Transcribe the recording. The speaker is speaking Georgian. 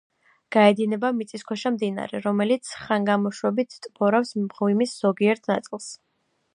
გაედინება მიწისქვეშა მდინარე, რომელიც ხანგამოშვებით ტბორავს მღვიმის ზოგიერთ ნაწილს.